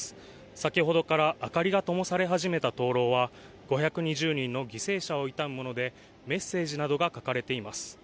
先ほどから明かりがともされ始めた灯籠は５２０人の犠牲者を悼むものでメッセージなどが書かれています。